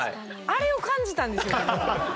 あれを感じたんですよね。